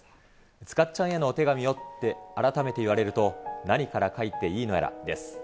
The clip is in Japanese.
塚っちゃんへのお手紙をって改めて言われると、何から書いていいのやらです。